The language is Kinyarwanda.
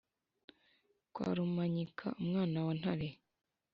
Kwa Rumanyika, umwana wa Ntare